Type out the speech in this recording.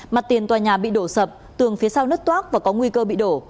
mặt tiền tòa nhà bị đổ sập tường phía sau nứt toác và có nguy cơ bị đổ